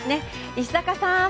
石坂さん